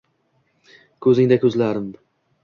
Ko’zingda ko’zlarim